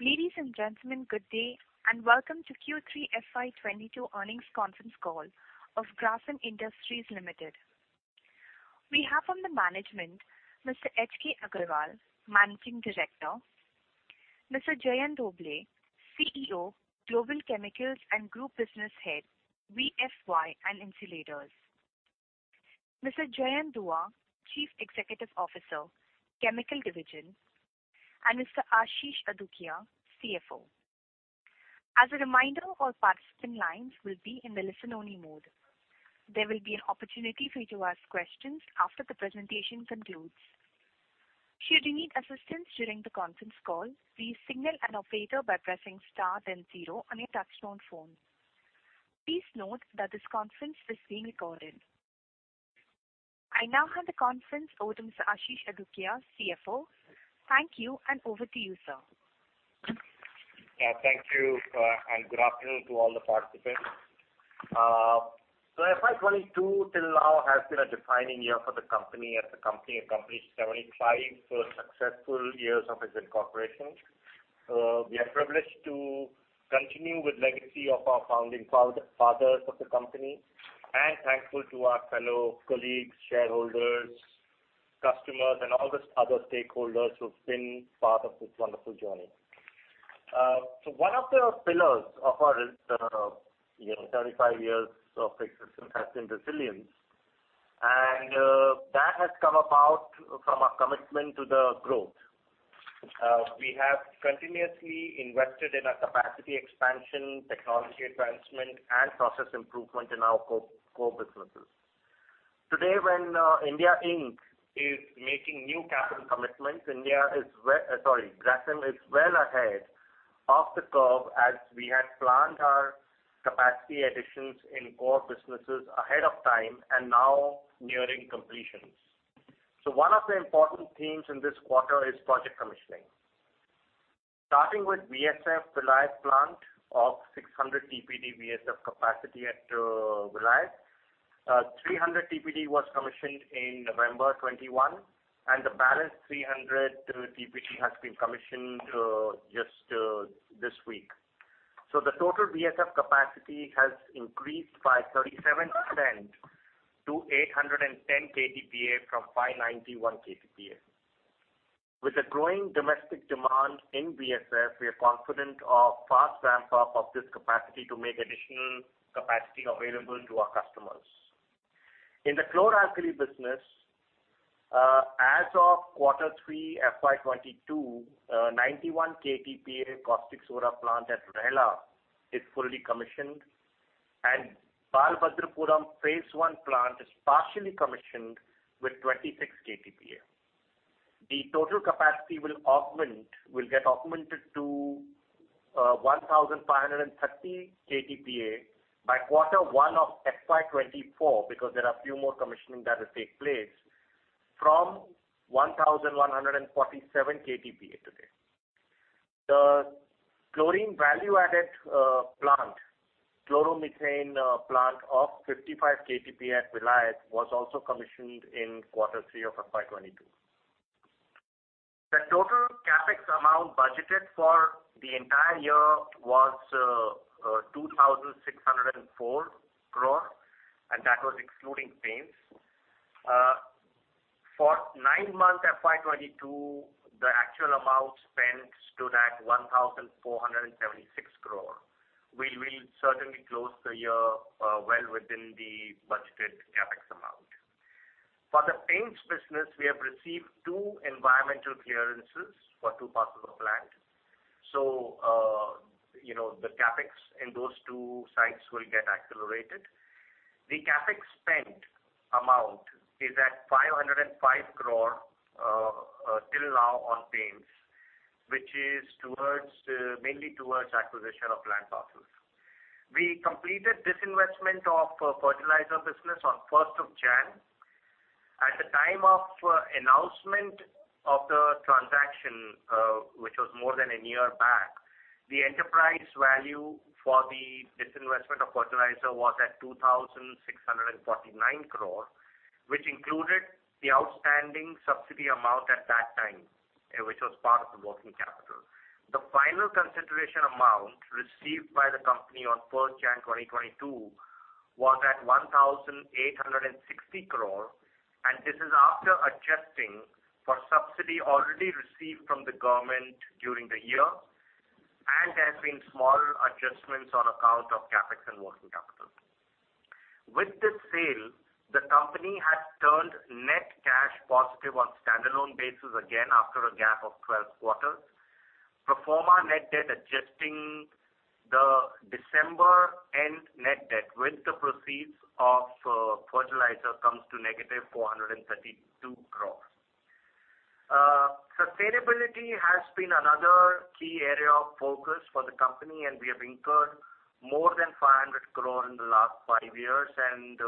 Ladies and gentlemen, good day, and welcome to Q3 FY 2022 earnings conference call of Grasim Industries Limited. We have from the management Mr. H. K. Agarwal, Managing Director, Mr. Jayant Dhobley, CEO, Global Chemicals and Group Business Head, VSY and Insulators, Mr. Jayant Dua, Chief Executive Officer, Chemical Division, and Mr. Ashish Adukia, CFO. As a reminder, all participant lines will be in the listen-only mode. There will be an opportunity for you to ask questions after the presentation concludes. Should you need assistance during the conference call, please signal an operator by pressing star then zero on your touchtone phone. Please note that this conference is being recorded. I now hand the conference over to Mr. Ashish Adukia, CFO. Thank you, and over to you, sir. Yeah, thank you, and good afternoon to all the participants. FY 2022 till now has been a defining year for the company as the company accomplished 75-successful years of its incorporation. We are privileged to continue with legacy of our founding fathers of the company and thankful to our fellow colleagues, shareholders, customers, and all the other stakeholders who've been part of this wonderful journey. One of the pillars of our, you know, 75 years of existence has been resilience, and that has come about from our commitment to the growth. We have continuously invested in our capacity expansion, technology advancement, and process improvement in our core businesses. Today, when India Inc. is making new capital commitments, India is well. Grasim is well ahead of the curve as we had planned our capacity additions in core businesses ahead of time and now nearing completions. One of the important themes in this quarter is project commissioning. Starting with VSF Vilayat plant of 600 TPD VSF capacity at Vilayat, 300 TPD was commissioned in November 2021, and the balance 300 TPD has been commissioned just this week. The total VSF capacity has increased by 37% to 810 KTPA from 591 KTPA. With the growing domestic demand in VSF, we are confident of fast ramp-up of this capacity to make additional capacity available to our customers. In the Chlor-Alkali business, as of quarter three FY 2022, 91 KTPA caustic soda plant at Rourkela is fully commissioned and Balabhadrapuram phase I plant is partially commissioned with 26 KTPA. The total capacity will get augmented to 1,530 KTPA by quarter one of FY 2024 because there are a few more commissioning that will take place from 1,147 KTPA today. The Chlorine value-added plant, chloromethane plant of 55 KTPA at Vilayat was also commissioned in quarter three of FY 2022. The total CapEx amount budgeted for the entire year was 2,604 crore, and that was excluding Paints. For nine-month FY 2022, the actual amount spent stood at 1,476 crore. We will certainly close the year well within the budgeted CapEx amount. For the Paints business, we have received two environmental clearances for two parts of the plant. You know, the CapEx in those two sites will get accelerated. The CapEx spent amount is at 505 crore till now on Paints, which is towards mainly towards acquisition of land parcels. We completed disinvestment of Fertiliser business on 1st January. At the time of announcement of the transaction, which was more than a year back, the enterprise value for the disinvestment of Fertiliser was at 2,649 crore, which included the outstanding subsidy amount at that time, which was part of the working capital. The final consideration amount received by the company on 1st January 2022 was 1,860 crore, and this is after adjusting for subsidy already received from the government during the year and has been small adjustments on account of CapEx and working capital. With this sale, the company has turned net cash positive on standalone basis again after a gap of 12 quarters. Pro forma net debt adjusting the December end net debt with the proceeds of Fertiliser comes to -432 crore. Sustainability has been another key area of focus for the company, and we have incurred more than 500 crore in the last five years, and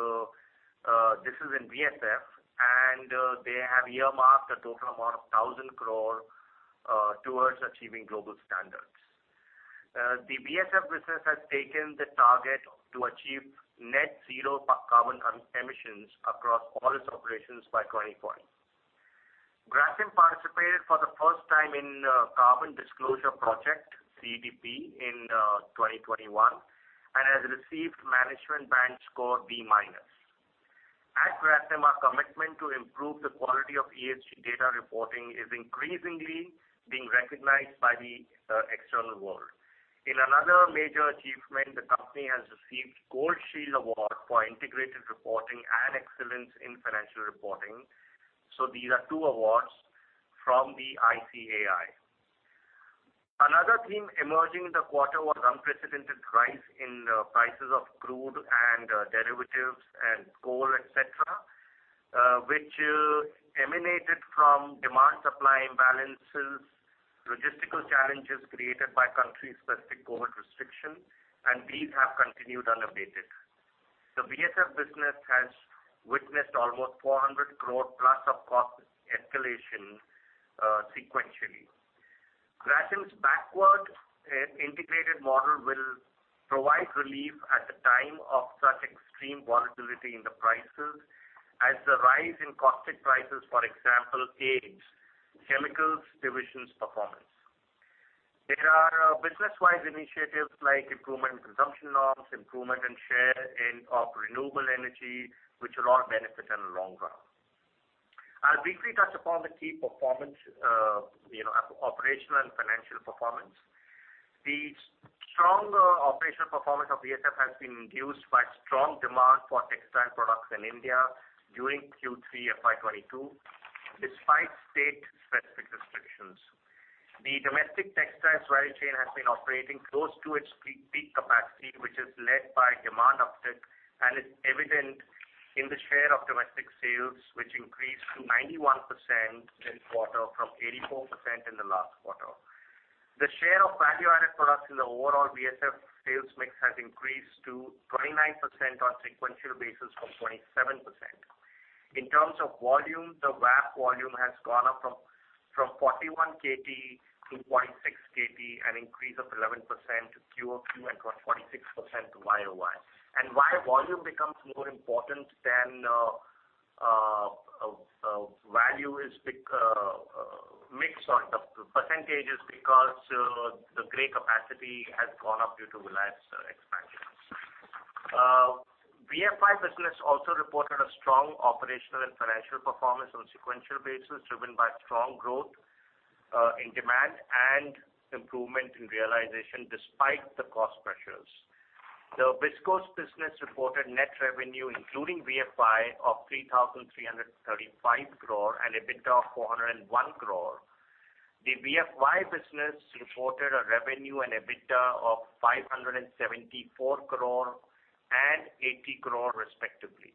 this is in VSF, and they have earmarked a total amount of 1,000 crore towards achieving global standards. The VSF business has taken the target to achieve net zero carbon emissions across all its operations by 2020. Grasim participated for the first time in Carbon Disclosure Project, CDP, in 2021, and has received management band score B-. At Grasim, our commitment to improve the quality of ESG data reporting is increasingly being recognized by the external world. In another major achievement, the company has received Gold Shield Award for integrated reporting and excellence in financial reporting. These are two awards from the ICAI. Another theme emerging in the quarter was unprecedented rise in prices of crude and derivatives and coal, et cetera, which emanated from demand-supply imbalances, logistical challenges created by country-specific COVID restrictions, and these have continued unabated. The VSF business has witnessed almost 400 crore plus of cost escalation sequentially. Grasim's backward integrated model will provide relief at the time of such extreme volatility in the prices as the rise in caustic prices, for example, aids Chemicals Division's performance. There are business-wise initiatives like improvement in consumption norms, improvement in share of renewable energy, which will all benefit in the long run. I'll briefly touch upon the key performance, you know, operational and financial performance. The stronger operational performance of VSF has been induced by strong demand for textile products in India during Q3 FY 2022, despite state-specific restrictions. The domestic textiles value chain has been operating close to its peak capacity, which is led by demand uptick and is evident in the share of domestic sales, which increased to 91% this quarter from 84% in the last quarter. The share of value-added products in the overall VSF sales mix has increased to 29% on sequential basis from 27%. In terms of volume, the VAP volume has gone up from 41 KT to 46 KT, an increase of 11% QoQ and 46% YoY. Why volume becomes more important than value is mix or the percentages because the gray capacity has gone up due to relaxed expansions. VFY business also reported a strong operational and financial performance on sequential basis, driven by strong growth in demand and improvement in realization despite the cost pressures. The viscose business reported net revenue, including VFY, of 3,335 crore and EBITDA of 401 crore. The VFY business reported a revenue and EBITDA of 574 crore and 80 crore respectively.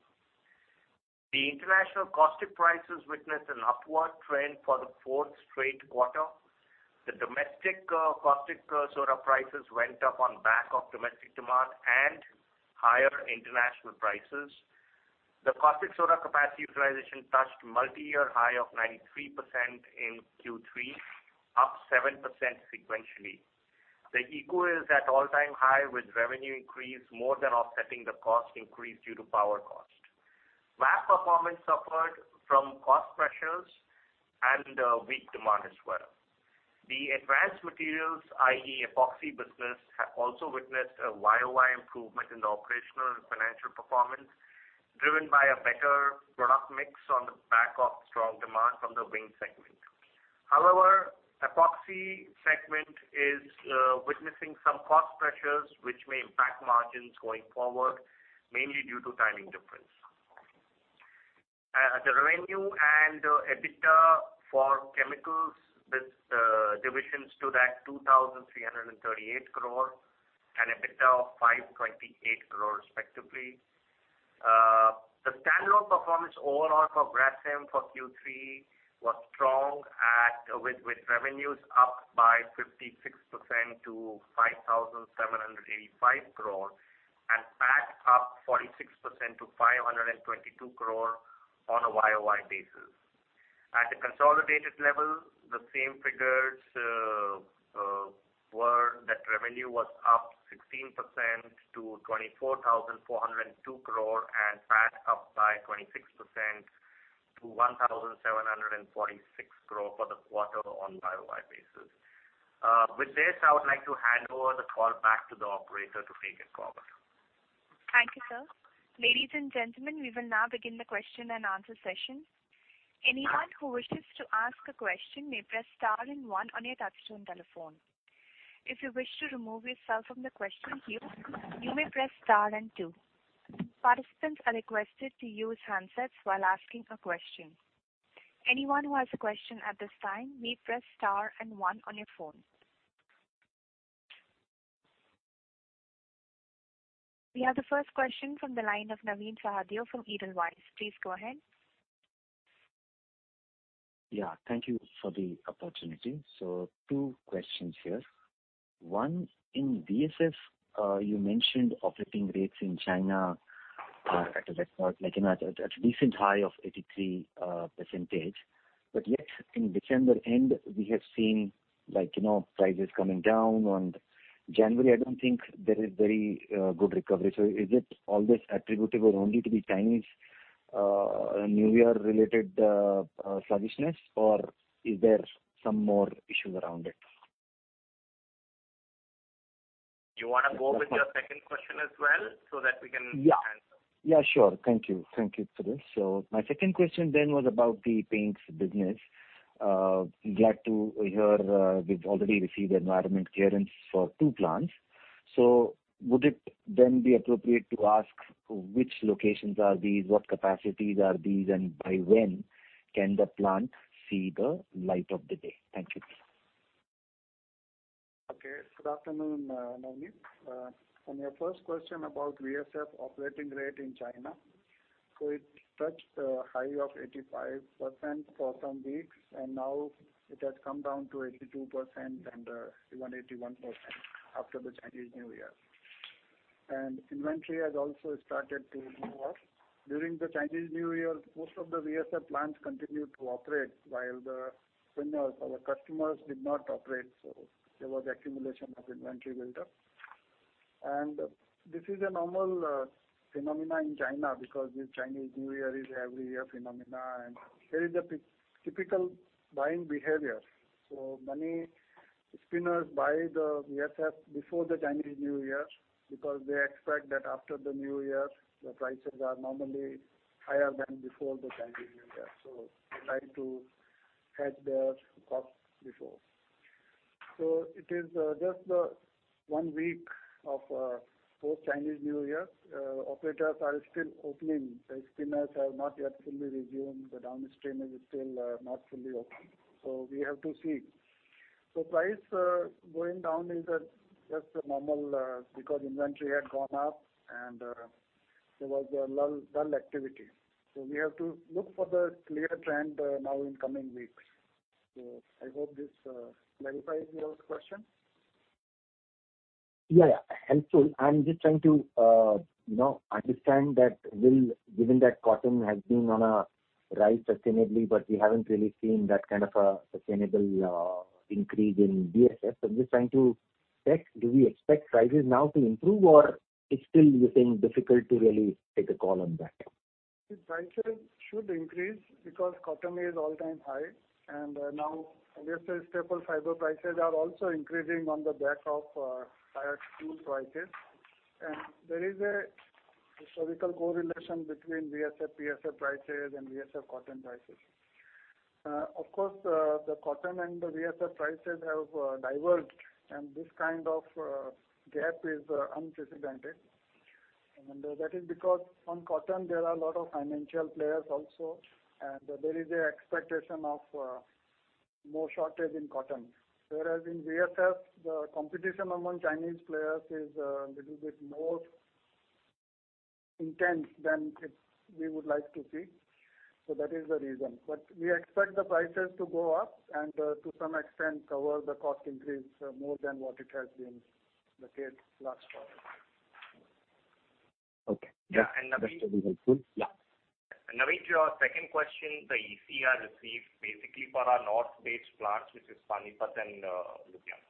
The international caustic prices witnessed an upward trend for the fourth straight quarter. The domestic caustic soda prices went up on back of domestic demand and higher international prices. The caustic soda capacity utilization touched multi-year high of 93% in Q3, up 7% sequentially. The ECU is at all-time high with revenue increase more than offsetting the cost increase due to power cost. VAP performance suffered from cost pressures and weak demand as well. The advanced materials, i.e., epoxy business, have also witnessed a YoY improvement in the operational and financial performance, driven by a better product mix on the back of strong demand from the wind segment. However, epoxy segment is witnessing some cost pressures which may impact margins going forward, mainly due to timing difference. The revenue and EBITDA for chemicals divisions stood at 2,338 crore and EBITDA of 528 crore respectively. The standalone performance overall for Grasim for Q3 was strong, with revenues up by 56% to 5,785 crore and PAT up 46% to 522 crore on a YoY basis. At the consolidated level, the same figures were that revenue was up 16% to 24,402 crore, and PAT up by 26% to 1,746 crore for the quarter on YoY basis. With this, I would like to hand over the call back to the operator to take it forward. Thank you, sir. Ladies and gentlemen, we will now begin the question and answer session. Anyone who wishes to ask a question may press star and one on your touchtone telephone. If you wish to remove yourself from the question queue, you may press star and two. Participants are requested to use handsets while asking a question. Anyone who has a question at this time may press star and one on your phone. We have the first question from the line of Navin Sahadeo from Edelweiss. Please go ahead. Yeah, thank you for the opportunity. Two questions here. One, in VSF, you mentioned operating rates in China At a decent high of 83%. Yet in December end, we have seen like, you know, prices coming down. On January, I don't think there is very good recovery. Is it all this attributable only to the Chinese New Year related sluggishness, or is there some more issues around it? You wanna go with your second question as well so that we can. Yeah. -Answer? Yeah, sure. Thank you. Thank you for this. My second question then was about the Paints business. Glad to hear we've already received environmental clearance for two plants. Would it then be appropriate to ask which locations are these, what capacities are these, and by when can the plant see the light of day? Thank you. Okay. Good afternoon, Navin. On your first question about VSF operating rate in China, it touched a high of 85% for some weeks, and now it has come down to 82% and even 81% after the Chinese New Year. Inventory has also started to move up. During the Chinese New Year, most of the VSF plants continued to operate while the spinners or the customers did not operate, so there was accumulation of inventory built up. This is a normal, phenomena in China because the Chinese New Year is every year phenomena and there is a typical buying behavior. Many spinners buy the VSF before the Chinese New Year because they expect that after the New Year, the prices are normally higher than before the Chinese New Year, so they try to hedge their cost before. It is just one week of post-Chinese New Year. Operators are still opening. The spinners have not yet fully resumed. The downstream is still not fully open. We have to see. Price going down is just a normal because inventory had gone up and there was a dull activity. We have to look for the clear trend now in coming weeks. I hope this clarifies your question. Yeah. Helpful. I'm just trying to, you know, understand given that cotton has been on a rise sustainably, but we haven't really seen that kind of a sustainable increase in VSF. I'm just trying to test, do we expect prices now to improve, or it's still, you think, difficult to really take a call on that? The prices should increase because cotton is all-time high. Now VSF staple fiber prices are also increasing on the back of higher crude prices. There is a historical correlation between VSF, PSF prices and cotton prices. Of course, the cotton and the VSF prices have diverged, and this kind of gap is unprecedented. That is because on cotton there are a lot of financial players also, and there is an expectation of more shortage in cotton. Whereas in VSF, the competition among Chinese players is a little bit more intense than we would like to see. That is the reason. We expect the prices to go up and to some extent cover the cost increase more than what it has been the case last quarter. Okay. Yeah, Navin. That's totally helpful. Yeah. Navin, your second question, the EC are received basically for our north-based plants, which is Panipat and Ludhiana.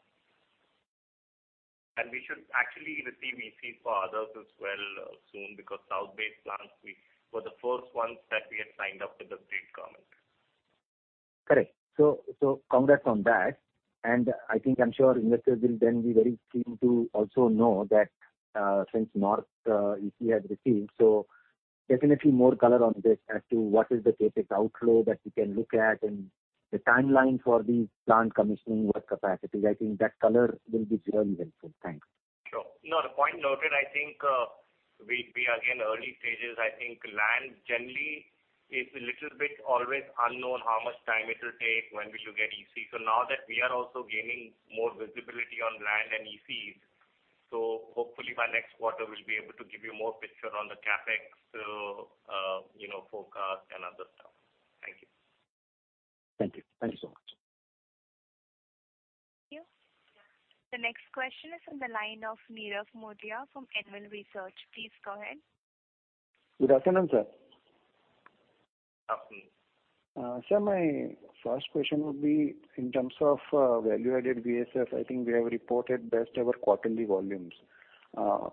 We should actually receive EC for others as well, soon because south-based plants we were the first ones that we had signed up with the state government. Correct. Congrats on that. I think I'm sure investors will then be very keen to also know that, since the EC has received, so definitely more color on this as to what is the CapEx outflow that we can look at and the timeline for these plant commissioning what capacity. I think that color will be really helpful. Thanks. Sure. No, point noted. I think we again early stages. I think land generally is a little bit always unknown how much time it'll take, when we should get EC. Now that we are also gaining more visibility on land and ECs, hopefully by next quarter we'll be able to give you more picture on the CapEx forecast and other stuff. Thank you. Thank you. Thank you so much. Thank you. The next question is in the line of Nirav Jimudia from Anvil Research. Please go ahead. Good afternoon, sir. Afternoon. Sir, my first question would be in terms of value-added VSF. I think we have reported best ever quarterly volumes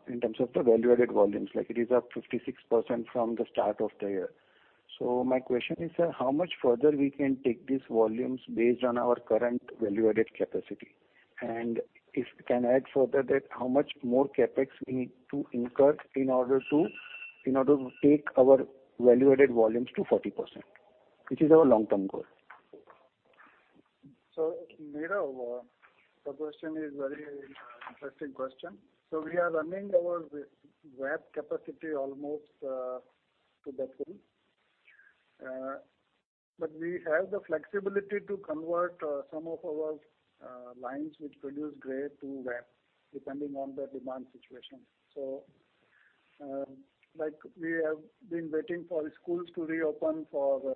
in terms of the value-added volumes, like it is up 56% from the start of the year. My question is, sir, how much further we can take these volumes based on our current value-added capacity? If we can add further that how much more CapEx we need to incur in order to take our value-added volumes to 40%, which is our long-term goal. Nirav, the question is a very interesting question. We are running our VSF capacity almost to the full. We have the flexibility to convert some of our lines which produce gray to VSF, depending on the demand situation. We have been waiting for schools to reopen for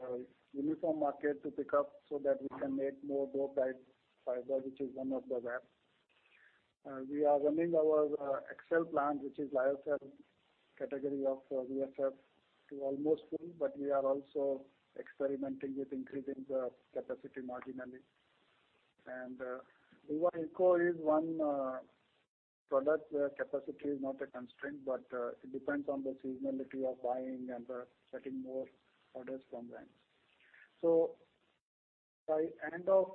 uniform market to pick up so that we can make more bright fiber, which is one of the VSF. We are running our Excel plant, which is Lyocell category of VSF, to almost full, but we are also experimenting with increasing the capacity marginally. Livaeco is one product where capacity is not a constraint, but it depends on the seasonality of buying and getting more orders from them. By end of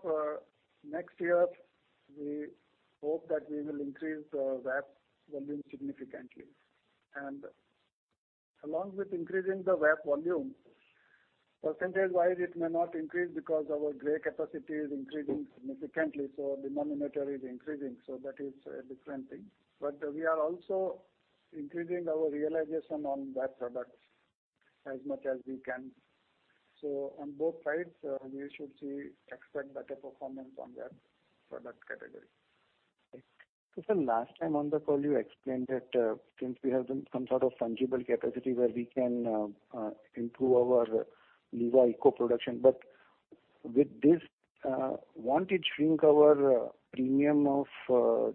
next year, we hope that we will increase the WAF volume significantly. Along with increasing the WAF volume, percentage-wise it may not increase because our gray capacity is increasing significantly, so the denominator is increasing, so that is a different thing. We are also increasing our realization on WAF products as much as we can. On both sides, you should expect better performance on that product category. Right. Sir, last time on the call you explained that, since we have done some sort of fungible capacity where we can improve our Livaeco production. With this, won't it shrink our premium of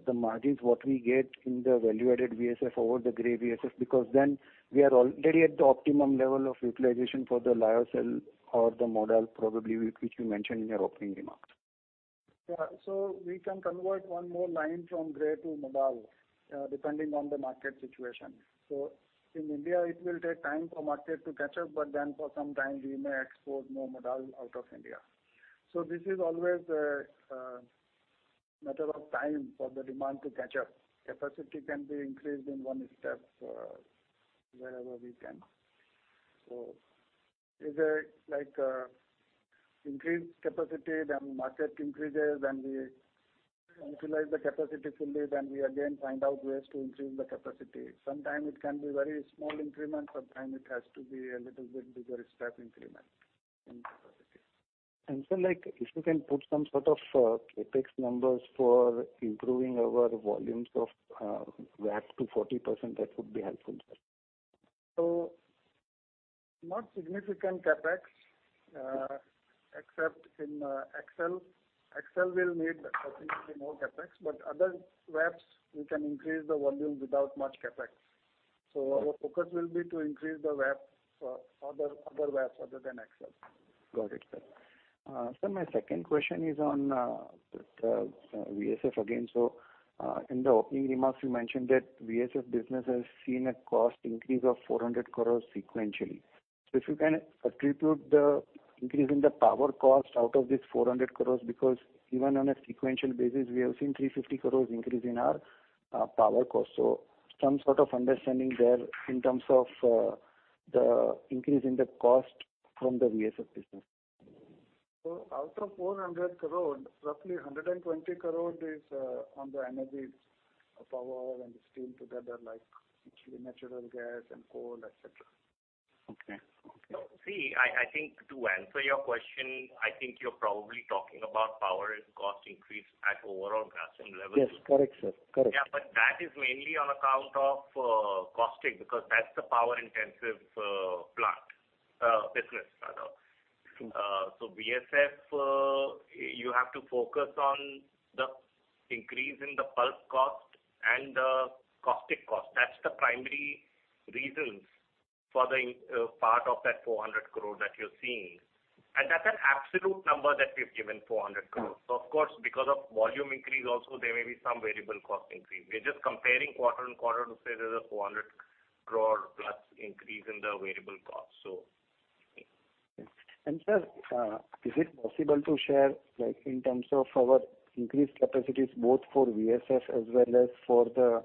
the margins what we get in the value-added VSF over the gray VSF? Because then we are already at the optimum level of utilization for the Lyocell or the Modal probably which you mentioned in your opening remarks. Yeah. We can convert one more line from gray to Modal, depending on the market situation. In India it will take time for market to catch up, but then for some time we may export more Modal out of India. This is always a matter of time for the demand to catch up. Capacity can be increased in one step, wherever we can. Is it like, increase capacity, then market increases, then we utilize the capacity fully, then we again find out ways to increase the capacity. Sometimes it can be very small increment, sometimes it has to be a little bit bigger step increment in capacity. Sir, like, if you can put some sort of CapEx numbers for improving our volumes of VAP to 40%, that would be helpful, sir. Not significant CapEx, except in Excel. Excel will need possibly more CapEx. Other VSFs we can increase the volume without much CapEx. Our focus will be to increase the VSF, other VSFs other than Excel. Got it, sir. Sir, my second question is on the VSF again. In the opening remarks you mentioned that VSF business has seen a cost increase of 400 crore sequentially. If you can attribute the increase in the power cost out of this 400 crore, because even on a sequential basis we have seen 350 crore increase in our power cost. Some sort of understanding there in terms of the increase in the cost from the VSF business. Out of 400 crore, roughly 120 crore is on the energy, power and steam together, like actually natural gas and coal, et cetera. Okay. Okay. See, I think to answer your question, I think you're probably talking about power cost increase at overall Grasim level. Yes. Correct, sir. Correct. Yeah, that is mainly on account of caustic because that's the power intensive plant business rather. True. VSF, you have to focus on the increase in the pulp cost and the caustic cost. That's the primary reasons for part of that 400 crore that you're seeing. That's an absolute number that we've given, 400 crore. Of course because of volume increase also there may be some variable cost increase. We're just comparing quarter and quarter to say there's a 400 crore plus increase in the variable cost. Sir, is it possible to share, like in terms of our increased capacities both for VSF as well as for the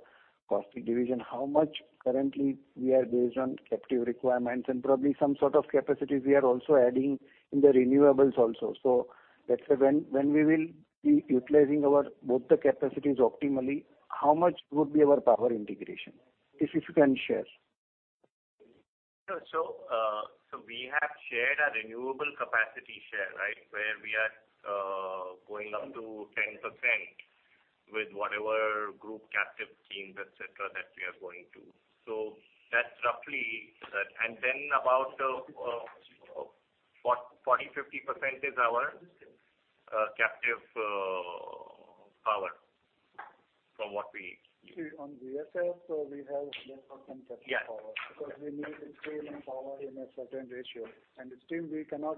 caustic division, how much currently we are based on captive requirements and probably some sort of capacities we are also adding in the renewables also. Let's say when we will be utilizing our both the capacities optimally, how much would be our power integration? If you can share. We have shared our renewable capacity share, right? Where we are going up to 10% with whatever group captive schemes, et cetera, that we are going to. That's roughly. About 40-50% is our captive power from what we See, on VSF, so we have less than 10% power. Yeah. Because we need steam and power in a certain ratio. The steam we cannot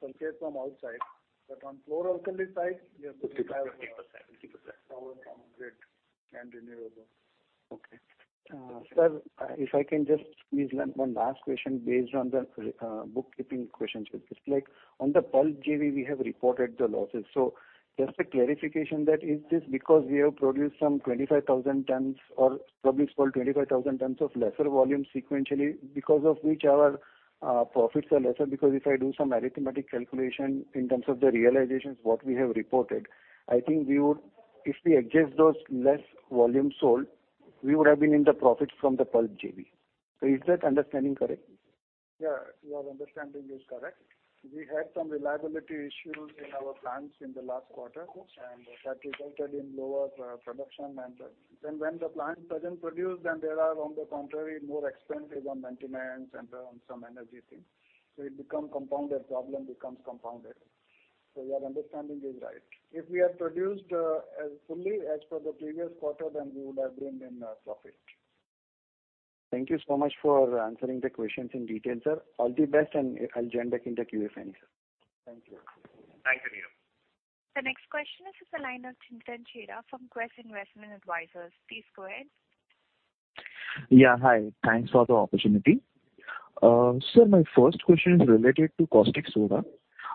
purchase from outside, but on Chlor-alkali side we have to have- 50%. Power from grid and renewable. Okay. Sir, if I can just squeeze in one last question based on the bookkeeping questions. It's like on the pulp JV we have reported the losses. Just a clarification that is this because we have produced some 25,000 tons or probably sold 25,000 tons of lesser volume sequentially because of which our profits are lesser. Because if I do some arithmetic calculation in terms of the realizations what we have reported, I think we would, if we adjust those less volume sold, we would have been in the profit from the pulp JV. Is that understanding correct? Yeah, your understanding is correct. We had some reliability issues in our plants in the last quarter. Okay. That resulted in lower production. Then when the plant doesn't produce, there are on the contrary, more expenses on maintenance and on some energy things. It become compounded, problem becomes compounded. Your understanding is right. If we had produced as fully as per the previous quarter, then we would have been in profit. Thank you so much for answering the questions in detail, sir. All the best, and I'll join back in the queue if any, sir. Thank you. Thank you, Nirav. The next question is the line of Chintan Chheda from Quest Investment Advisors. Please go ahead. Yeah. Hi. Thanks for the opportunity. Sir, my first question is related to Caustic Soda.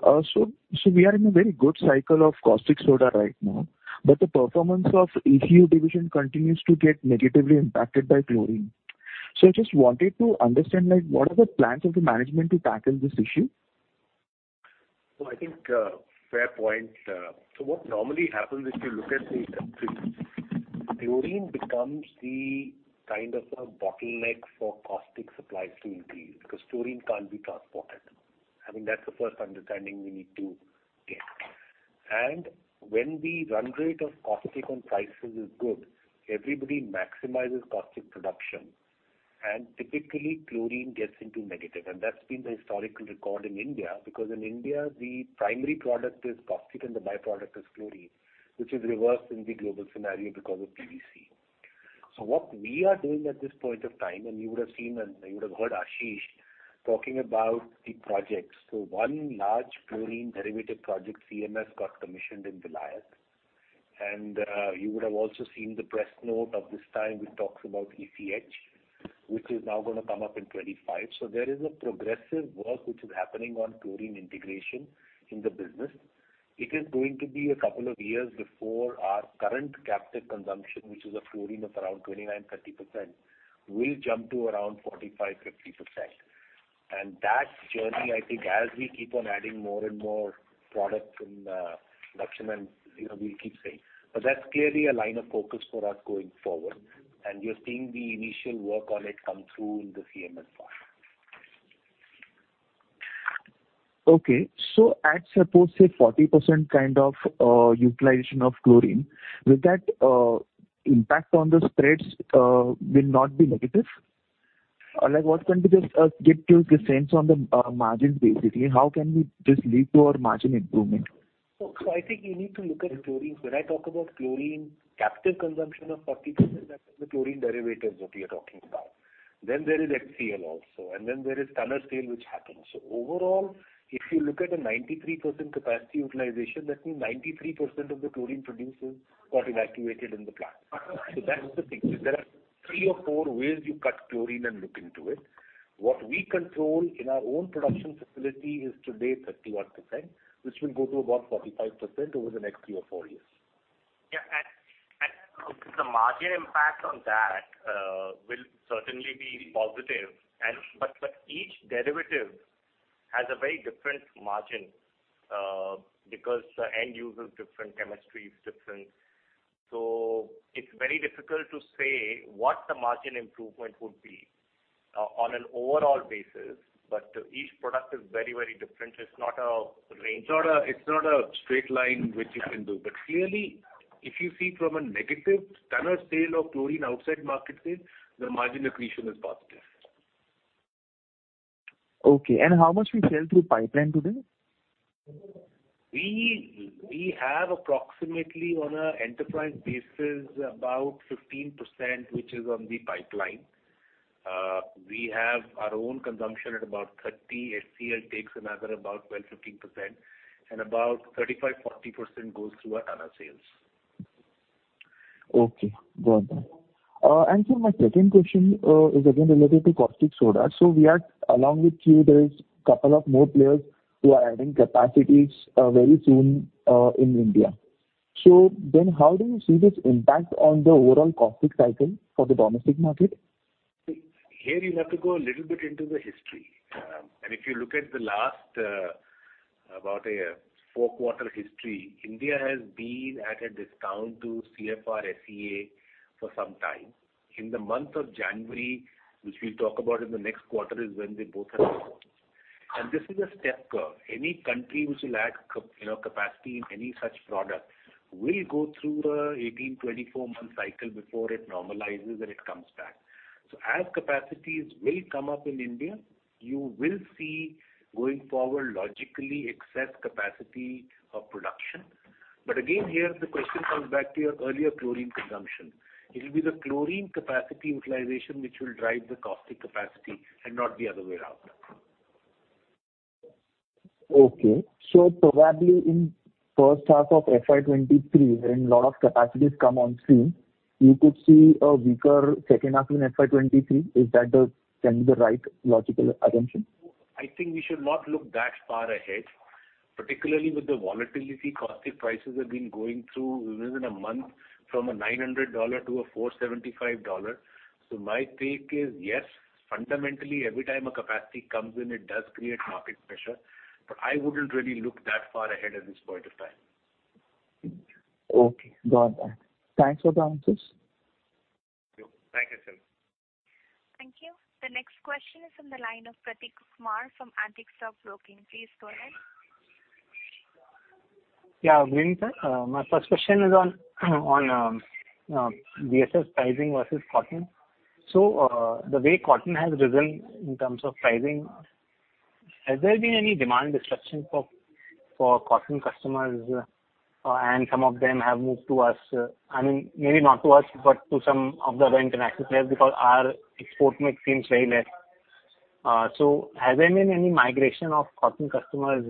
So we are in a very good cycle of Caustic Soda right now, but the performance of ECU Division continues to get negatively impacted by chlorine. I just wanted to understand, like, what are the plans of the management to tackle this issue? I think, fair point. What normally happens if you look at the industry, chlorine becomes the kind of a bottleneck for caustic supply to increase because chlorine can't be transported. I mean, that's the first understanding we need to get. When the run rate of caustic and prices is good, everybody maximizes caustic production. Typically, chlorine gets into negative. That's been the historical record in India, because in India, the primary product is caustic, and the byproduct is chlorine, which is reversed in the global scenario because of PVC. What we are doing at this point of time, and you would have seen and you would have heard Ashish talking about the projects. One large chlorine derivative project CMS got commissioned in Vizag. You would have also seen the press note of this time, which talks about ECH, which is now gonna come up in 2025. There is a progressive work which is happening on chlorine integration in the business. It is going to be a couple of years before our current captive consumption, which is a chlorine of around 29%-30% will jump to around 45%-50%. That journey, I think, as we keep on adding more and more products in production and, you know, we'll keep scaling. But that's clearly a line of focus for us going forward. You're seeing the initial work on it come through in the CMS part. Okay. At suppose, say, 40% kind of utilization of chlorine, will that impact on the spreads will not be negative? Or, like, what can we just get to the sense on the margins basically, how can we just lead to our margin improvement? I think you need to look at chlorine. When I talk about chlorine captive consumption of 40%, that's the chlorine derivatives that we are talking about. Then there is HCL also, and then there is tonner sale which happens. Overall, if you look at a 93% capacity utilization, that means 93% of the chlorine produced is got evacuated in the plant. That's the thing. There are three or four ways you cut chlorine and look into it. What we control in our own production facility is today 31%, which will go to about 45% over the next three or four years. The margin impact on that will certainly be positive. But each derivative has a very different margin because the end user is different, chemistry is different. It's very difficult to say what the margin improvement would be on an overall basis. Each product is very, very different. It's not a range. It's not a straight line which you can do. Clearly, if you see from a negative tonnage sale of chlorine outside market sales, the margin accretion is positive. Okay. How much we sell through pipeline today? We have approximately on an enterprise basis about 15%, which is in the pipeline. We have our own consumption at about 30. HCL takes another about 12-15%, and about 35-40% goes through our tonnage sales. Okay, got that. Sir, my second question is again related to Caustic Soda. We are, along with you, there is couple of more players who are adding capacities, very soon, in India. How do you see this impact on the overall caustic cycle for the domestic market? Here you have to go a little bit into the history. If you look at the last about a 4Q history, India has been at a discount to CFR FCA for some time. In the month of January, which we'll talk about in the next quarter, is when they both have reports. This is a step curve. Any country which will add capacity, you know, in any such product will go through a 18-24 month cycle before it normalizes and it comes back. As capacities will come up in India, you will see going forward, logically excess capacity of production. But again, here the question comes back to your earlier chlorine consumption. It'll be the chlorine capacity utilization which will drive the caustic capacity and not the other way around. Okay. Probably in first half of FY 2023, when a lot of capacities come on stream, you could see a weaker second half in FY 2023. Is that can be the right logical assumption? I think we should not look that far ahead, particularly with the volatility. Caustic prices have been going through within a month from $900-$475. My take is, yes, fundamentally, every time a capacity comes in, it does create market pressure, but I wouldn't really look that far ahead at this point of time. Okay. Got that. Thanks for the answers. Thank you. Thank you, sir. Thank you. The next question is from the line of Prateek Kumar from Antique Stock Broking. Please go ahead. Yeah. Good evening, sir. My first question is on VSF pricing versus cotton. The way cotton has risen in terms of pricing. Has there been any demand destruction for cotton customers, and some of them have moved to us? I mean, maybe not to us, but to some of the other international players, because our export mix seems very less. Has there been any migration of cotton customers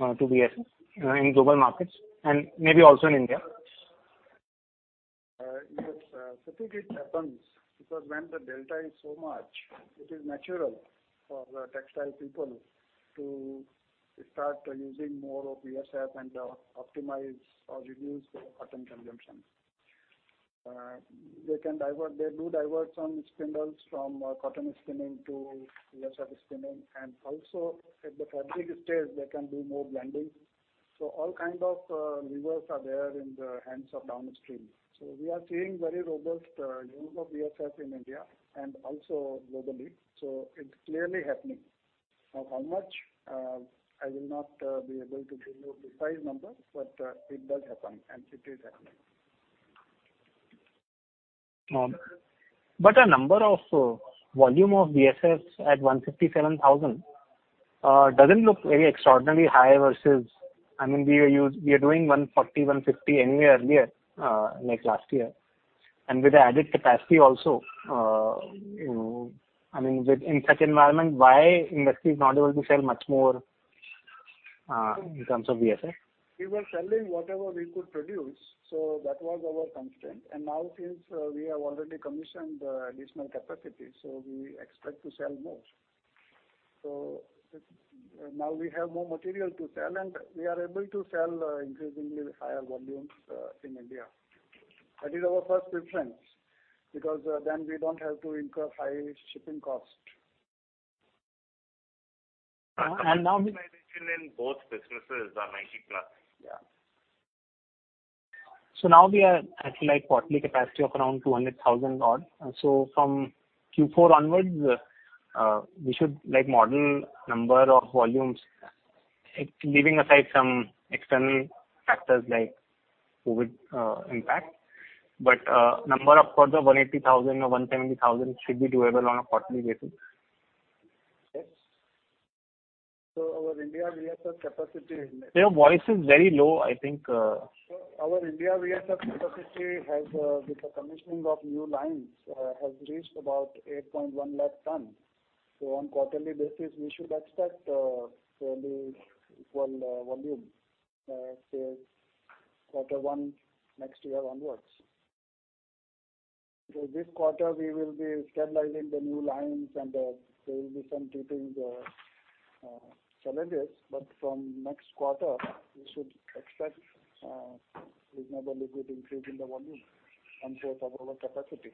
to VSF in global markets and maybe also in India? Yes, Prateek, it happens because when the delta is so much, it is natural for the textile people to start using more of VSF and optimize or reduce their cotton consumption. They do divert some spindles from cotton spinning to VSF spinning. Also at the fabric stage they can do more blending. All kind of levers are there in the hands of downstream. We are seeing very robust use of VSF in India and also globally. It's clearly happening. Now, how much? I will not be able to give you the size numbers, but it does happen and it is happening. The number of volume of VSF at 157,000 doesn't look very extraordinarily high versus. I mean, we are doing 140-150 anyway earlier, like last year. With the added capacity also, you know, I mean in such environment, why industry is not able to sell much more, in terms of VSF? We were selling whatever we could produce, so that was our constraint. Now since we have already commissioned the additional capacity, so we expect to sell more. Now we have more material to sell, and we are able to sell increasingly higher volumes in India. That is our first preference, because then we don't have to incur high shipping cost. And now- Optimization in both businesses are 90%+. Yeah. Now we are at quarterly capacity of around 200,000 odd. From Q4 onwards, we should model number of volumes, leaving aside some external factors like COVID, impact. Number of quarter 180,000 or 170,000 should be doable on a quarterly basis. Yes. Our India VSF capacity. Your voice is very low, I think. Our Indian VSF capacity has, with the commissioning of new lines, has reached about 8.1 lakh tonnes. On quarterly basis we should expect fairly equal volume, say quarter one next year onwards. This quarter we will be stabilizing the new lines and there will be some teething challenges. From next quarter you should expect reasonably good increase in the volume in terms of our capacity.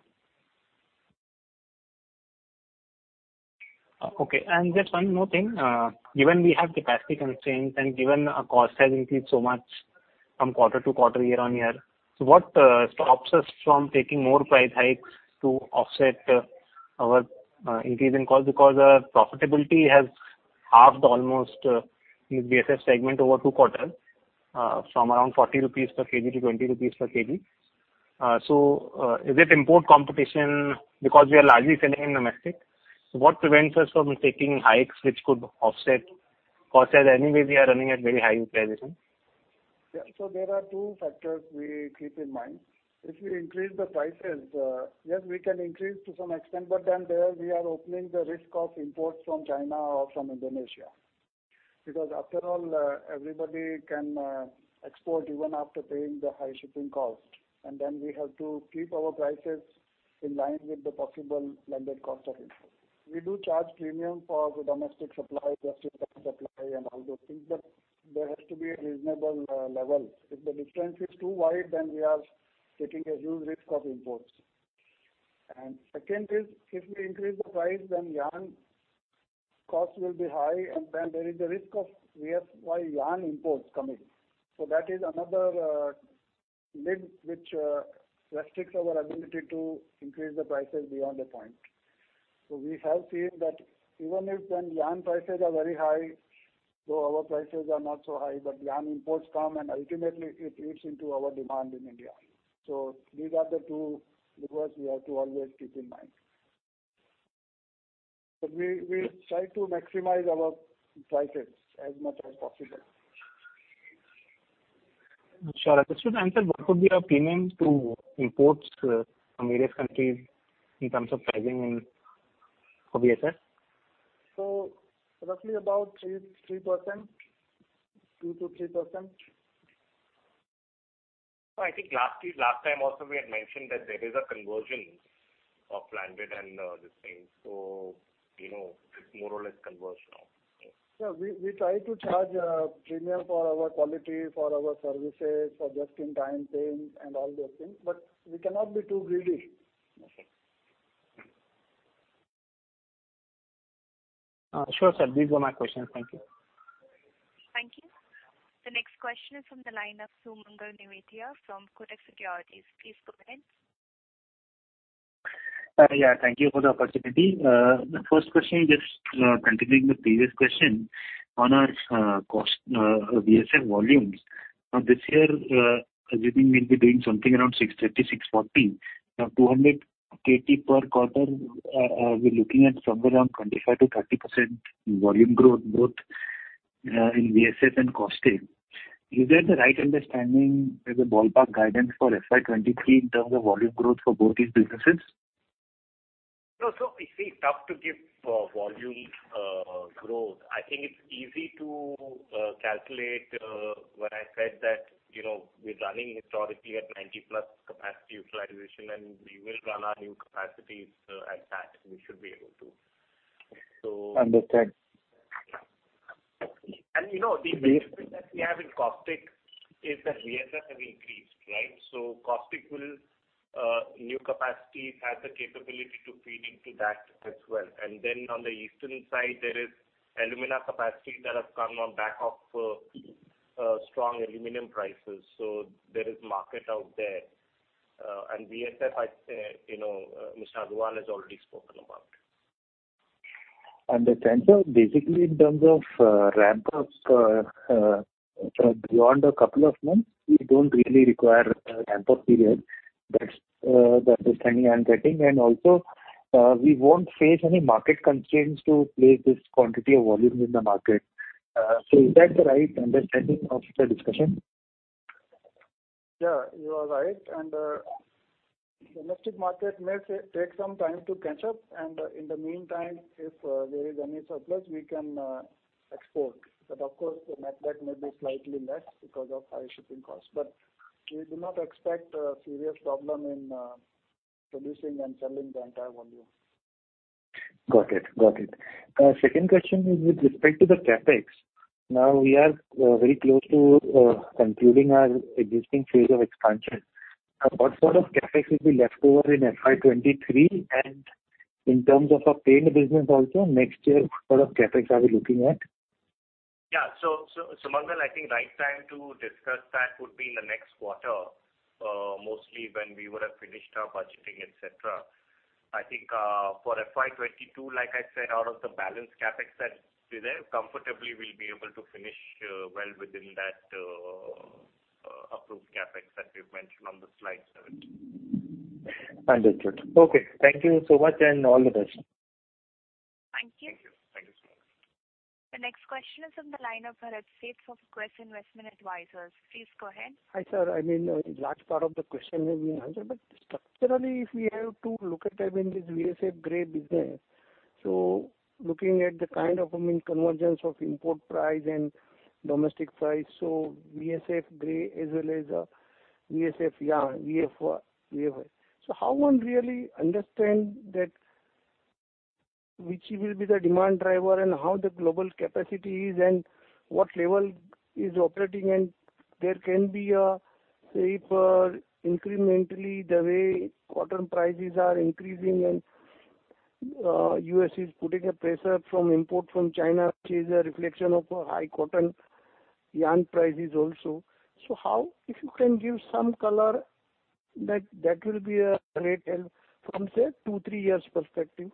Okay. Just one more thing. Given we have capacity constraints and given our cost has increased so much from quarter-over-quarter, year-over-year, what stops us from taking more price hikes to offset our increase in cost? Because our profitability has halved almost in VSF segment over 2Q from around 40 rupees per kg to 20 rupees per kg. Is it import competition because we are largely selling in domestic? What prevents us from taking hikes which could offset cost? As anyway we are running at very high utilization. Yeah. There are two factors we keep in mind. If we increase the prices, yes, we can increase to some extent, but then there we are opening the risk of imports from China or from Indonesia, because after all, everybody can export even after paying the high shipping cost. We have to keep our prices in line with the possible landed cost of imports. We do charge premium for the domestic supply, just in time supply and all those things, but there has to be a reasonable level. If the difference is too wide, then we are taking a huge risk of imports. Second is, if we increase the price, then yarn cost will be high, and then there is a risk of VSF yarn imports coming. That is another limit which restricts our ability to increase the prices beyond a point. We have seen that even when yarn prices are very high, our prices are not so high, but yarn imports come and ultimately it eats into our demand in India. These are the two levers we have to always keep in mind. We try to maximize our prices as much as possible. Sure. Just to answer, what could be a premium to imports from various countries in terms of pricing in of VSF? Roughly about 3%. 2%-3%. I think lastly, last time also we had mentioned that there is a conversion of blended and this thing. You know, it's more or less converged now. Yeah. We try to charge a premium for our quality, for our services, for just in time thing and all those things, but we cannot be too greedy. Sure, sir. These were my questions. Thank you. Thank you. The next question is from the line of Sumangal Nevatia from Kotak Securities. Please go ahead. Yeah, thank you for the opportunity. The first question, just continuing the previous question on our cost, VSF volumes. Now this year, assuming we'll be doing something around 630-640. Now 200 KT per quarter, we're looking at somewhere around 25%-30% volume growth, both in VSF and caustic. Is that the right understanding as a ballpark guidance for FY 2023 in terms of volume growth for both these businesses? No. It's very tough to give volume growth. I think it's easy to calculate when I said that, you know, we're running historically at 90+% capacity utilization, and we will run our new capacities at that. We should be able to. Understood. You know, the benefit that we have in caustic is that VSF have increased, right? Caustic will, new capacity has the capability to feed into that as well. Then on the eastern side, there is alumina capacity that has come on the back of strong aluminum prices. There is market out there. VSF, I'd say, you know, Mr. Agarwal has already spoken about. Understood. Basically in terms of ramp up beyond a couple of months, we don't really require a ramp-up period. That's the understanding I'm getting. Also, we won't face any market constraints to place this quantity of volume in the market. Is that the right understanding of the discussion? Yeah, you are right. Domestic market may take some time to catch up and, in the meantime, if there is any surplus, we can export. Of course, the netback may be slightly less because of high shipping costs. We do not expect a serious problem in producing and selling the entire volume. Got it. Second question is with respect to the CapEx. Now we are very close to concluding our existing phase of expansion. Now what sort of CapEx will be left over in FY 2023? And in terms of our Paints business also, next year, what sort of CapEx are we looking at? Sumangal, I think right time to discuss that would be in the next quarter, mostly when we would have finished our budgeting, et cetera. I think, for FY 2022, like I said, out of the balance CapEx that is there, comfortably we'll be able to finish, well within that, approved CapEx that we've mentioned on the slide set. Understood. Okay. Thank you so much and all the best. Thank you. Thank you. Thank you so much. The next question is on the line of Bharat Sheth from Quest Investment Advisors. Please go ahead. Hi, sir. I mean, a large part of the question has been answered, but structurally, if we have to look at, I mean, this VSF gray business. Looking at the kind of, I mean, convergence of import price and domestic price, VSF gray as well as VSF yarn, VFY. How one really understand that which will be the demand driver and how the global capacity is and what level is operating and there can be a say for incrementally the way cotton prices are increasing and U.S. is putting a pressure from import from China, which is a reflection of a high cotton yarn prices also. If you can give some color, that will be a great help from say, two-three years perspective.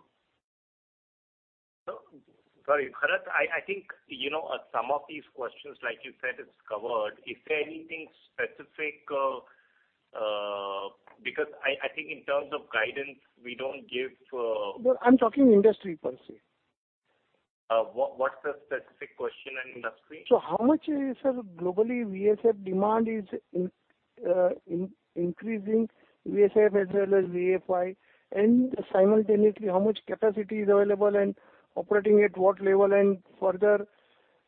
Sorry, Bharat, I think, you know, some of these questions, like you said, it's covered. Is there anything specific, because I think in terms of guidance, we don't give. Well, I'm talking industry per se. What's the specific question in industry? How much is, sir, global VSF demand? Is it increasing VSF as well as VFY? Simultaneously, how much capacity is available and operating at what level and further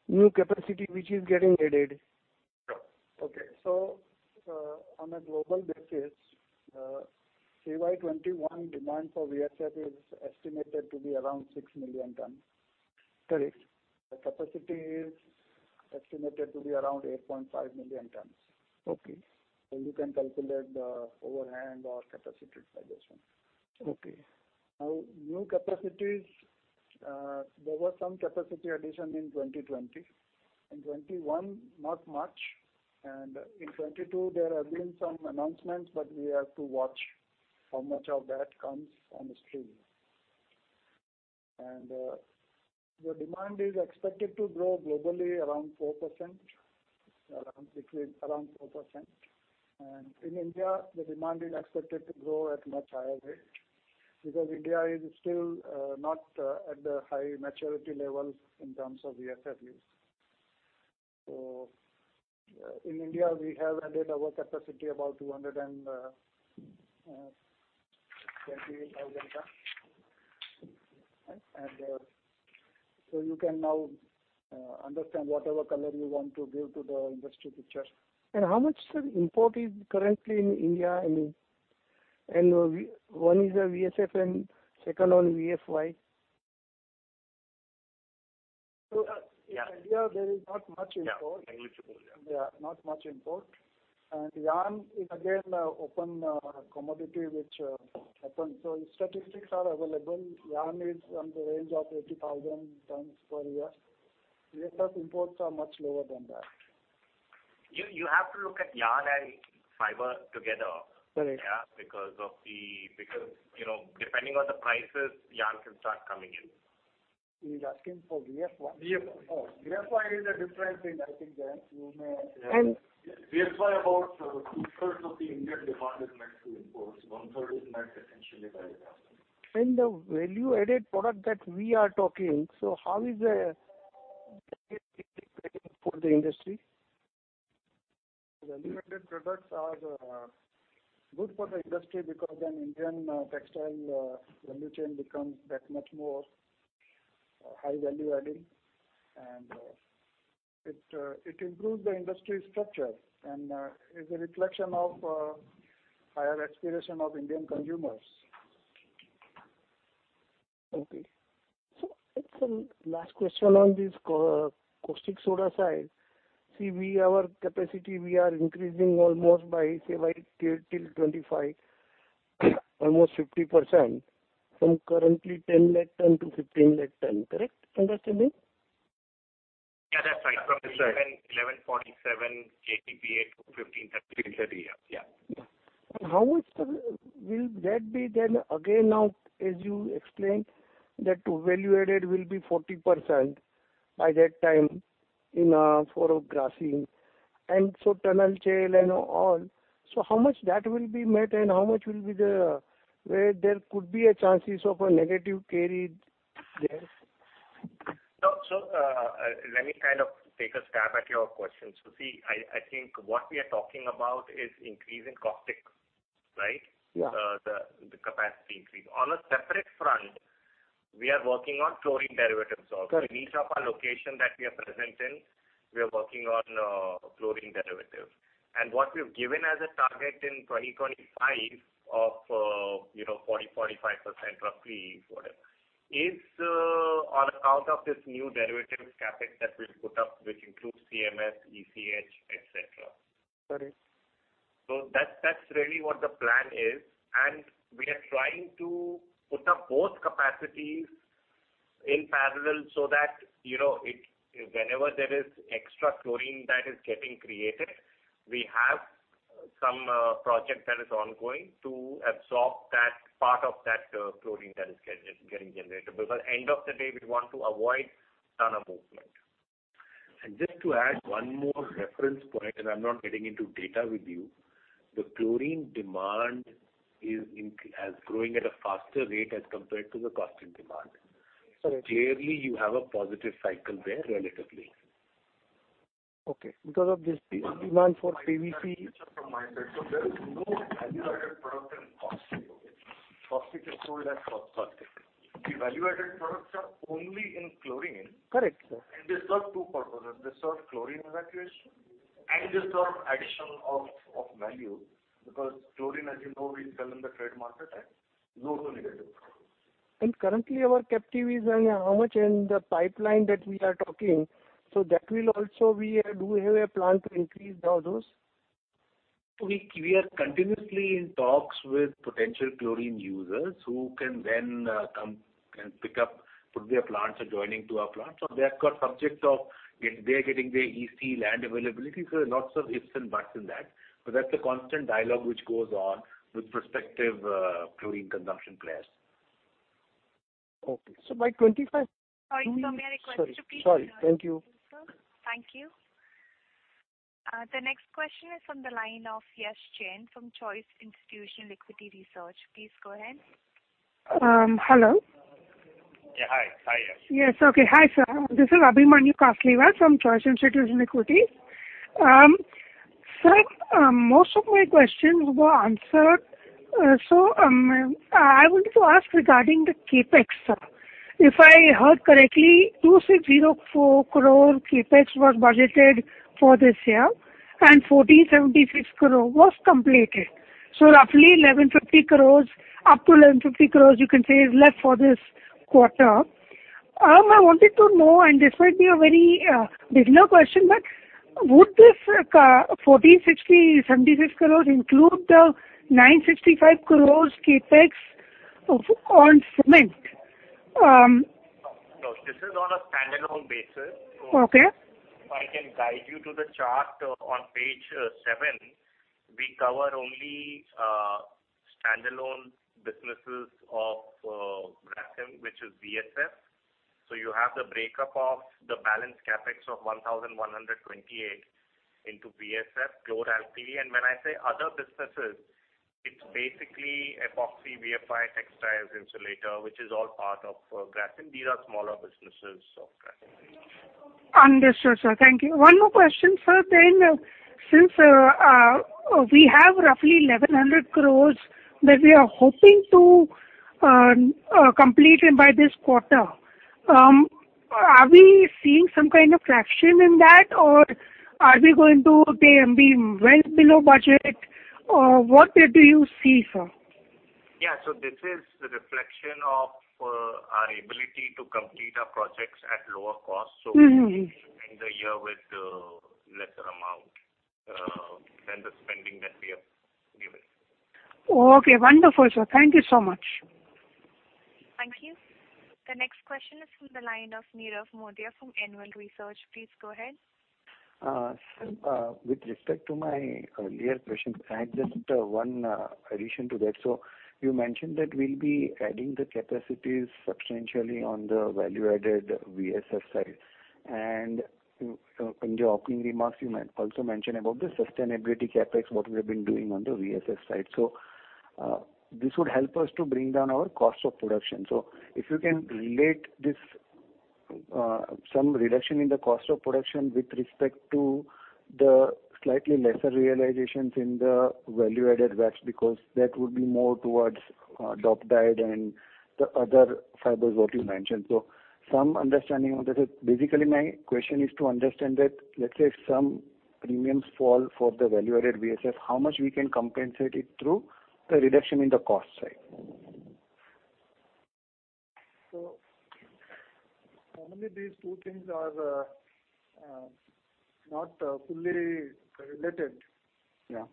new capacity which is getting added? On a global basis, CY 2021 demand for VSF is estimated to be around 6 million tons. Correct. The capacity is estimated to be around 8.5 million tons. Okay. You can calculate the overhang or capacity by this one. Okay. Now, new capacities, there was some capacity addition in 2020. In 2021, not much. In 2022, there have been some announcements, but we have to watch how much of that comes on stream. The demand is expected to grow globally around 4%. In India, the demand is expected to grow at much higher rate because India is still not at the high maturity level in terms of VSF use. In India, we have added our capacity about 220,000 tons. You can now understand whatever color you want to give to the industry picture. How much, sir, import is currently in India, I mean. One is a VSF and second one VFY. So, uh- Yeah. In India, there is not much import. Yeah. Negligible. Yeah. Yeah. Not much import. Yarn is again an open commodity which happens. Statistics are available. Yarn is in the range of 80,000 tons per year. VSF imports are much lower than that. You have to look at yarn and fiber together. Correct. Yeah. Because, you know, depending on the prices, yarn can start coming in. He's asking for VSF. VSY. Oh, VSF is a different thing, I think, than you may- Yeah. And- VSF about, two-thirds of the Indian demand is met through imports. One-third is met essentially by the company. The value-added product that we are talking, so how is the impact for the industry? Value-added products are good for the industry because then Indian textile value chain becomes that much more high value-adding. It improves the industry structure and is a reflection of higher aspiration of Indian consumers. Okay. It's the last question on this Caustic Soda side. See, our capacity, we are increasing almost by, say, by till 25. Almost 50% from currently 10 lakh tonne- 15 lakh tonne. Correct understanding? Yeah, that's right. Okay. From 11.7 KTPA to 15-30. Yeah. How much will that be then again now, as you explained, that value-added will be 40% by that time in for Grasim. Tonnage tail and all, so how much that will be net and how much will be, where there could be a chance of a negative carry there? Let me kind of take a stab at your question. See, I think what we are talking about is increase in caustic, right? Yeah. The capacity increase. On a separate front, we are working on chlorine derivative also. Got it. In each of our locations that we are present in, we are working on chlorine derivatives. What we've given as a target in 2025 of you know 40%-45% roughly, whatever, is on account of this new derivative CapEx that we'll put up, which includes CMS, ECH, etc. Got it. That's really what the plan is. We are trying to put up both capacities in parallel so that, you know, whenever there is extra chlorine that is getting created, we have some project that is ongoing to absorb that part of that chlorine that is getting generated. At the end of the day, we want to avoid tonnage movement. Just to add one more reference point, and I'm not getting into data with you, the chlorine demand is growing at a faster rate as compared to the caustic demand. Got it. Clearly, you have a positive cycle there relatively. Okay. Because of this demand for PVC. From my side. There is no value-added product in Caustic, okay? Caustic is sold as Caustic. The value-added products are only in chlorine. Correct, sir. They serve two purposes. They serve chlorine evacuation, and they serve addition of value. Because chlorine, as you know, we sell in the trade market at low to negative. Currently our captive is how much in the pipeline that we are talking? That will also be, do we have a plan to increase those? We are continuously in talks with potential chlorine users who can then come and put their plants adjoining to our plants. They are subject to getting their EC land availability. There are lots of ifs and buts in that. That's a constant dialogue which goes on with prospective chlorine consumption players. By 2025- Sorry, sir. May I request you to repeat your name? Sorry. Thank you. Thank you. The next question is from the line of Yash Jain from Choice Institutional Equity Research. Please go ahead. Hello. Yeah, hi. Hi, Yash. Yes. Okay. Hi, sir. This is Abhimanyu Kasliwal from Choice Institutional Equity. Sir, most of my questions were answered. I wanted to ask regarding the CapEx, sir. If I heard correctly, 4,076 crore CapEx was budgeted for this year, and 2,604 crore was completed. Roughly 1,150 crores, up to 1,150 crores you can say is left for this quarter. I wanted to know, and this might be a very beginner question, but would this INR 1,476 crores include the 965 crores CapEx of, on cement? No, this is on a standalone basis. Okay. If I can guide you to the chart on page seven, we cover only standalone businesses of Grasim, which is VSF. You have the breakup of the balance CapEx of 1,128 into VSF, Chlor-alkali. When I say other businesses, it's basically epoxy, VFY, textiles, insulator, which is all part of Grasim. These are smaller businesses of Grasim. Understood, sir. Thank you. One more question, sir, then. Since we have roughly 1,100 crore that we are hoping to complete in by this quarter, are we seeing some kind of traction in that, or are we going to, say, be well below budget? What way do you see, sir? Yeah. This is the reflection of our ability to complete our projects at lower cost. Mm-hmm. We end the year with lesser amount than the spending that we have given. Okay, wonderful, sir. Thank you so much. Thank you. The next question is from the line of Nirav Jimudia from Anvil Research. Please go ahead. Sir, with respect to my earlier question, I had just one addition to that. You mentioned that we'll be adding the capacities substantially on the value-added VSF side. In your opening remarks, you also mentioned about the sustainability CapEx, what we have been doing on the VSF side. This would help us to bring down our cost of production. If you can relate this, some reduction in the cost of production with respect to the slightly lesser realizations in the value-added VAPs because that would be more towards, dope dyed and the other fibers what you mentioned. Some understanding of this is basically my question is to understand that, let's say if some premiums fall for the value-added VSF, how much we can compensate it through the reduction in the cost side? Normally these two things are not fully related. Yeah.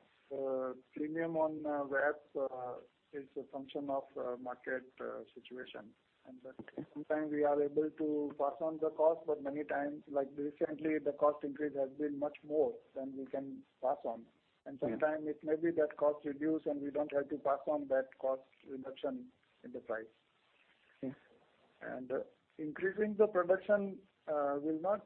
Premium on VAPs is a function of market situation. That sometimes we are able to pass on the cost, but many times, like recently, the cost increase has been much more than we can pass on. Sometimes it may be that cost reduce and we don't have to pass on that cost reduction in the price. Okay. Increasing the production will not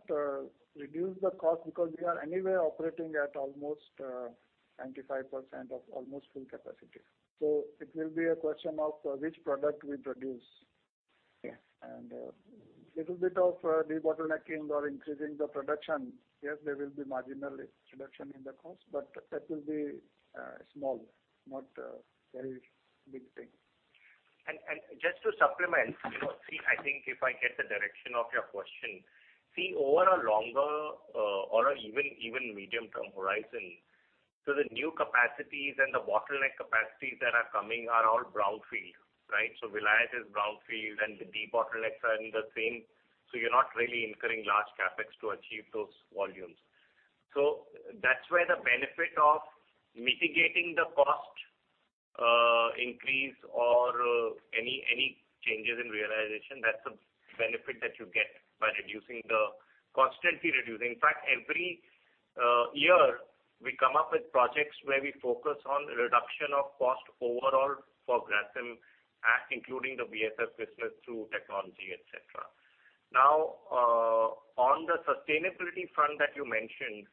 reduce the cost because we are anyway operating at almost 95% of almost full capacity. It will be a question of which product we produce. Yeah. A little bit of debottlenecking or increasing the production. Yes, there will be marginal reduction in the cost, but that will be small, not a very big thing. Just to supplement, you know, see, I think if I get the direction of your question. See, over a longer, or even medium-term horizon. The new capacities and the bottleneck capacities that are coming are all brownfield, right? Reliance is brownfield and the debottlenecks are in the same. You're not really incurring large CapEx to achieve those volumes. That's where the benefit of mitigating the cost increase or any changes in realization. That's the benefit that you get by constantly reducing. In fact, every year we come up with projects where we focus on reduction of cost overall for Grasim, including the VSF business through technology, et cetera. Now, on the sustainability front that you mentioned,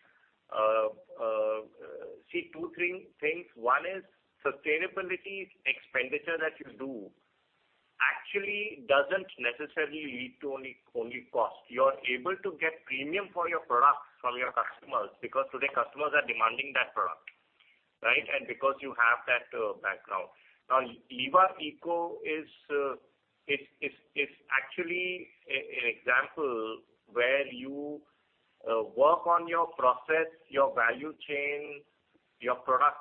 see two things. One is sustainability expenditure that you do actually doesn't necessarily lead to only cost. You are able to get premium for your products from your customers because today customers are demanding that product, right? Because you have that background. Now, Livaeco is actually an example where you work on your process, your value chain, your product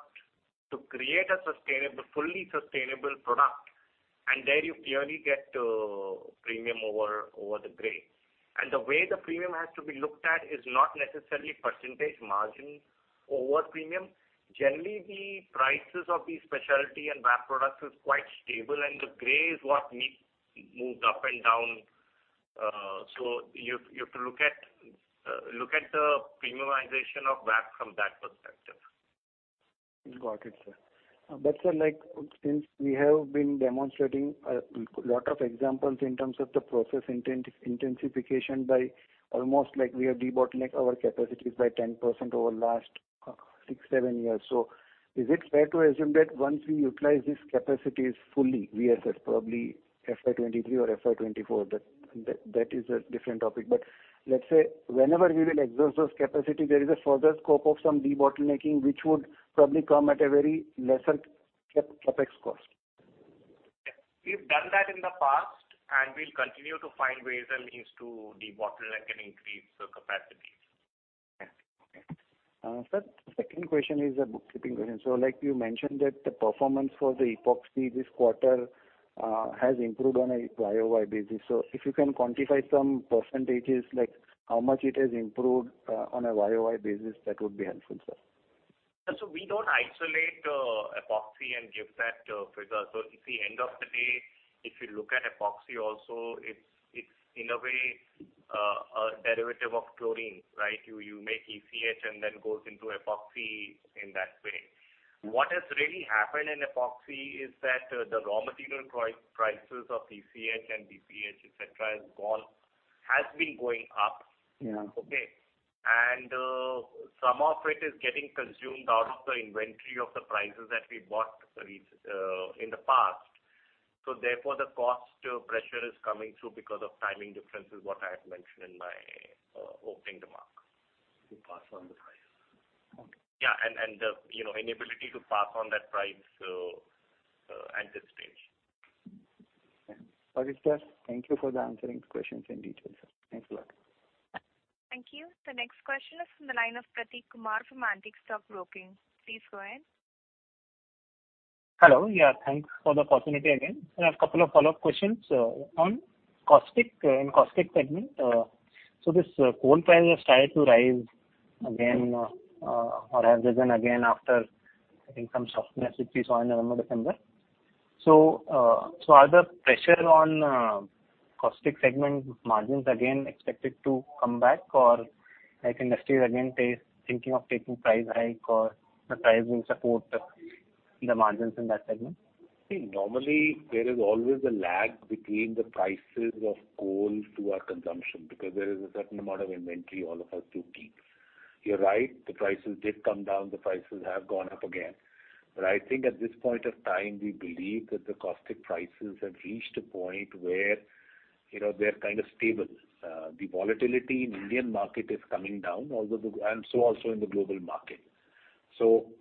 to create a sustainable, fully sustainable product. There you clearly get a premium over the grade. The way the premium has to be looked at is not necessarily percentage margin over premium. Generally, the prices of these specialty and VAP products is quite stable and the grade is what needs moved up and down. You have to look at the premiumization of VAP from that perspective. Got it, sir. Sir, like, since we have been demonstrating a lot of examples in terms of the process intensity intensification by almost like we have debottlenecked our capacities by 10% over last 6, 7 years. Is it fair to assume that once we utilize these capacities fully, VSF probably FY 2023 or FY 2024. That is a different topic. Let's say whenever we will exhaust those capacity, there is a further scope of some debottlenecking which would probably come at a very lesser CapEx cost. We've done that in the past and we'll continue to find ways and means to debottleneck and increase the capacities. Okay. Sir, second question is a bookkeeping question. Like you mentioned that the performance for the Epoxy this quarter has improved on a YoY basis. If you can quantify some percentages like how much it has improved on a YoY basis, that would be helpful, sir. We don't isolate epoxy and give that figure. At the end of the day, if you look at epoxy also it's in a way a derivative of chlorine, right? You make ECH and then goes into epoxy in that way. What has really happened in epoxy is that the raw material prices of ECH and BPA, et cetera, has been going up. Yeah. Okay. Some of it is getting consumed out of the inventory of the prices that we bought in the past. Therefore, the cost pressure is coming through because of timing differences, what I had mentioned in my opening remark. To pass on the price. Okay. Yeah. The, you know, inability to pass on that price at this stage. Okay, sir. Thank you for answering questions in detail, sir. Thanks a lot. Thank you. The next question is from the line of Prateek Kumar from Antique Stock Broking. Please go ahead. Hello. Yeah, thanks for the opportunity again. I have a couple of follow-up questions. On caustic, in caustic segment. This coal prices started to rise again, or have risen again after I think some softness which we saw in November, December. Are the pressure on caustic segment margins again expected to come back or Grasim Industries again is thinking of taking price hike or the price will support the margins in that segment? See, normally there is always a lag between the prices of coal to our consumption because there is a certain amount of inventory all of us do keep. You're right, the prices did come down, the prices have gone up again. I think at this point of time, we believe that the caustic prices have reached a point where, you know, they're kind of stable. The volatility in Indian market is coming down, although and so also in the global market.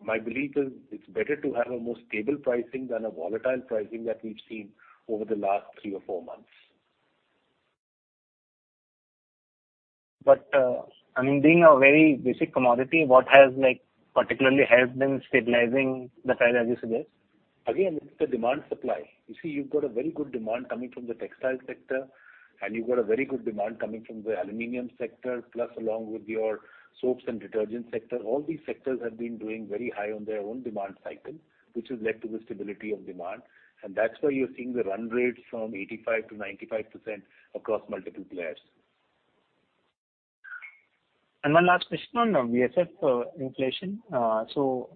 My belief is it's better to have a more stable pricing than a volatile pricing that we've seen over the last three or four months. I mean, being a very basic commodity, what has like particularly helped in stabilizing the price, as you suggest? Again, it's the demand supply. You see, you've got a very good demand coming from the textile sector, and you've got a very good demand coming from the aluminum sector, plus along with your soaps and detergent sector. All these sectors have been doing very high on their own demand cycle, which has led to the stability of demand. That's why you're seeing the run rates from 85%-95% across multiple players. One last question on VSF, inflation. So,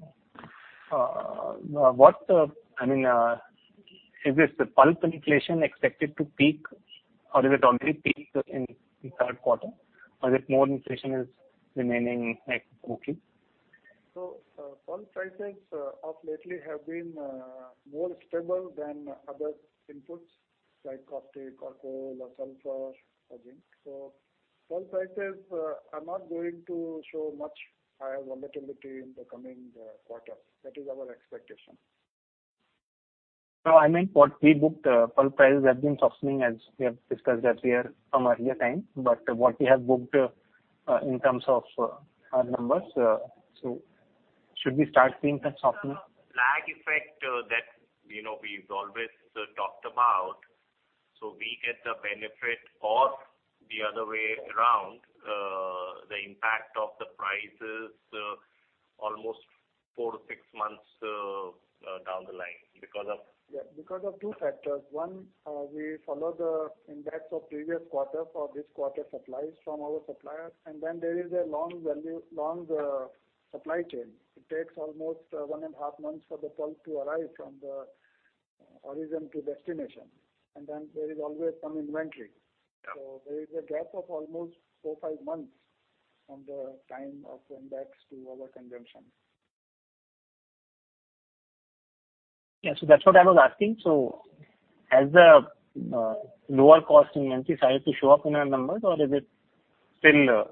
what, I mean, is this the pulp inflation expected to peak or has it already peaked in third quarter? Or is it more inflation is remaining like sticky? Pulp prices of late have been more stable than other inputs like caustic or coal or sulfur or zinc. Pulp prices are not going to show much higher volatility in the coming quarters. That is our expectation. No, I meant what we booked, pulp prices have been softening as we have discussed earlier from earlier time, but what we have booked, in terms of our numbers. Should we start seeing that softening? The lag effect, that you know we've always talked about, so we get the benefit or the other way around, the impact of the prices, almost 4-6 months down the line because of Yeah, because of two factors. One, we follow the index of previous quarter for this quarter supplies from our suppliers. There is a long supply chain. It takes almost one and a half months for the pulp to arrive from the origin to destination. There is always some inventory. Yeah. There is a gap of almost 4-5 months from the time of index to our consumption. Yeah. That's what I was asking. Has the lower cost inventory started to show up in our numbers, or is it still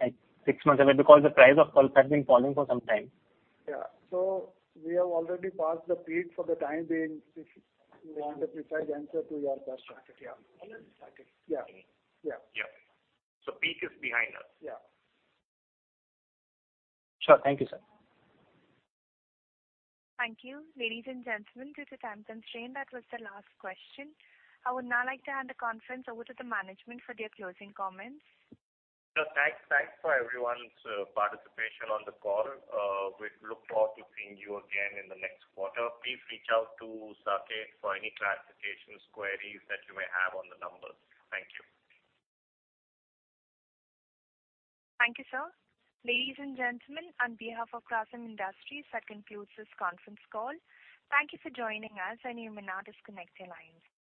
like six months away? Because the price of pulp has been falling for some time. Yeah. We have already passed the peak for the time being, if you want the precise answer to your question. Yeah. Yeah. Yeah. Yeah. Peak is behind us. Yeah. Sure. Thank you, sir. Thank you. Ladies and gentlemen, due to time constraint, that was the last question. I would now like to hand the conference over to the management for their closing comments. Thanks for everyone's participation on the call. We look forward to seeing you again in the next quarter. Please reach out to Saket for any clarifications, queries that you may have on the numbers. Thank you. Thank you, sir. Ladies and gentlemen, on behalf of Grasim Industries, that concludes this conference call. Thank you for joining us, and you may now disconnect your lines.